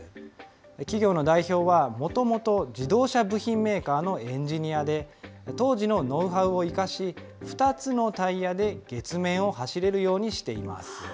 企業の代表は、もともと、自動車部品メーカーのエンジニアで、当時のノウハウを生かし、２つのタイヤで月面を走れるようにしています。